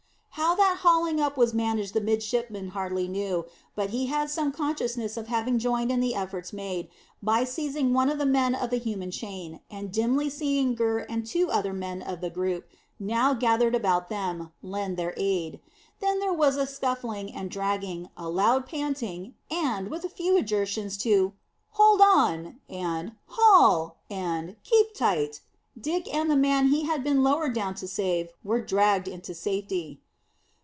How that hauling up was managed the midshipman hardly knew, but he had some consciousness of having joined in the efforts made, by seizing one man of the human chain, and dimly seeing Gurr and two other men of the group now gathered about them lend their aid. Then there was a scuffling and dragging, a loud panting, and, with a few adjurations to "hold on," and "haul," and "keep tight," Dick and the man he had been lowered down to save were dragged into safety.